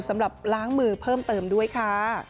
สำหรับล้างมือเพิ่มเติมด้วยค่ะ